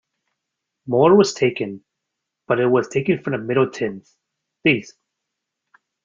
More was taken, but it was taken from the middle tins — these.